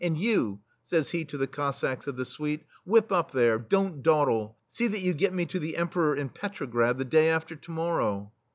And you/* says he to the Cossacks of the Suite, "whip up, there! Don't dawdle ! See that you get me to the Emperor in Petrograd the day after to morrow."